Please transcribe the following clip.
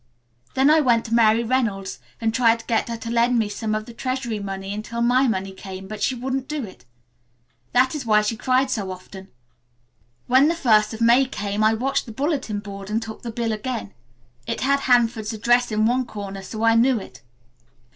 "Then I went to Mary Reynolds and tried to get her to lend me some of the treasury money until my money came, but she wouldn't do it. That is why she cried so often. When the first of May came I watched the bulletin board and took the bill again. It had Hanford's address in one corner so I knew it.